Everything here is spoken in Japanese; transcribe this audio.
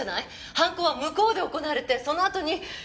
犯行は向こうで行われてそのあとに部屋に戻された。